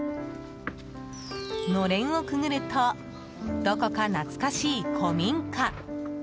のれんをくぐるとどこか懐かしい古民家。